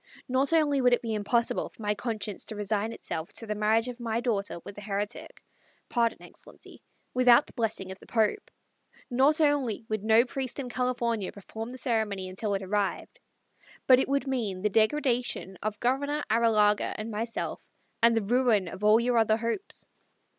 "Not only would it be impossible for my conscience to resign itself to the marriage of my daughter with a heretic pardon, Excellency without the blessing of the Pope; not only would no priest in California perform the ceremony until it arrived, but it would mean the degradation of Governor Arrillaga and myself, and the ruin of all your other hopes.